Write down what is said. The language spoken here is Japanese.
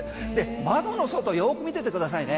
窓の外よく見ててくださいね。